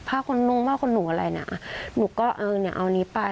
ผ้าขนหนูผ้าขนหนูอะไรเนี่ยหนูก็เอาอันนี้ไป